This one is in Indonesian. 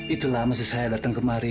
itulah maksud saya datang kemari